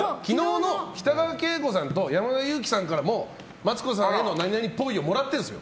北川景子さんと山田裕貴さんからマツコさんへの何々っぽいをもらってるんです。